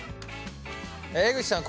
江口さん